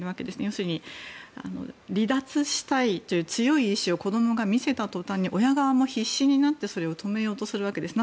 要するに、離脱したいと強い意思を子供が見せたとたんに親側も必死になってそれを止めようとするわけです。